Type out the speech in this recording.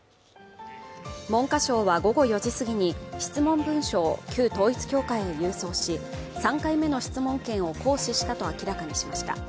文科省は午後４時すぎに質問文書を旧統一教会へ郵送し３回目の質問権を行使したと明らかにしました。